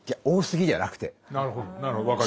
大杉じゃなくて。